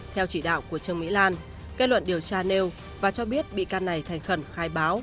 theo chỉ đạo của trương mỹ lan kết luận điều tra nêu và cho biết bị can này thành khẩn khai báo